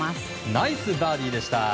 ナイスバーディーでした。